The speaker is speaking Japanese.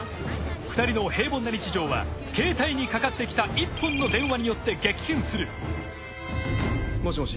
２人の平凡な日常はケータイにかかってきた一本の電話によって激変するもしもし？